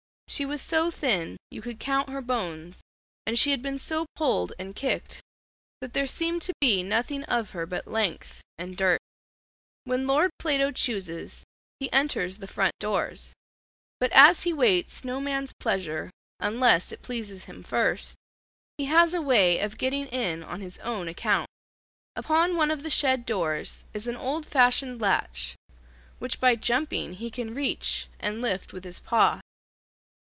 She was so thin you could count her bones, and she had been so pulled and kicked that there seemed to be nothing of her but length and dirt. When Lord Plato chooses, he enters the front doors, but as he waits no man's pleasure, unless it pleases him first, he has a way of getting in on his own account. Upon one of the shed doors is an old fashioned latch, which by jumping he can reach and lift with his paw.